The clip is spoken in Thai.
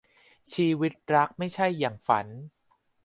ชีวิตรักไม่ใช่อย่างฝัน